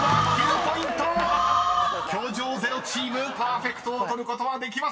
［教場０チームパーフェクトを取ることはできませんでした